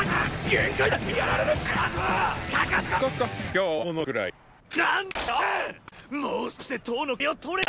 限界だ！